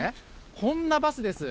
こんなバスです。